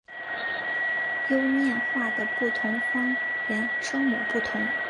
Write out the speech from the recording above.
优念话的不同方言声母不同。